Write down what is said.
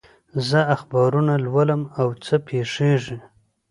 زه اخبارونه لولم، څه پېښېږي؟